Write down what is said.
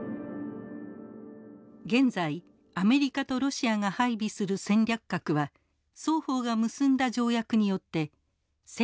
現在アメリカとロシアが配備する戦略核は双方が結んだ条約によって１，５５０発までに制限されています。